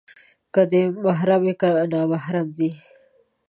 که دې محرمې، که نامحرمې دي